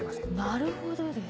なるほどです。